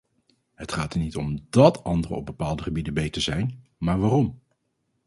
Het gaat er niet om dát anderen op bepaalde gebieden beter zijn, maar waarom.